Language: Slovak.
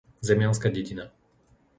Zemianska Dedina